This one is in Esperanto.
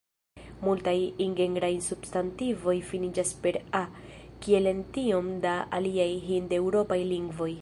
Multaj ingenraj substantivoj finiĝas per -a, kiel en tiom da aliaj hindeŭropaj lingvoj.